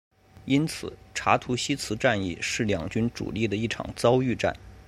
因此查图西茨战役是两军主力的一场遭遇战。